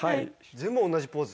全部同じポーズ。